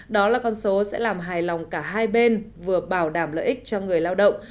đó là con số sẽ làm hài lòng cả hai bên vừa bảo đảm lợi ích cho người lao động